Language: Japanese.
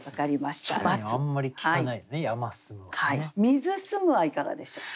「水澄む」はいかがでしょう。